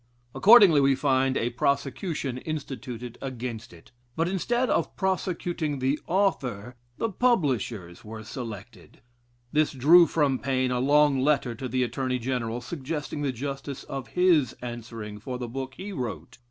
Accordingly, we find a prosecution instituted against it. But instead of prosecuting the author, the publishers were selected. This drew from Paine a long Letter to the Attorney General, suggesting the justice of his answering for the book he wrote.